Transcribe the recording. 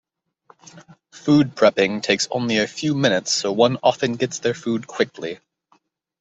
Food prepping takes only a few minutes so one often gets their food quickly.